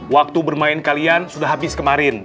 waktu bermain kalian sudah habis kemarin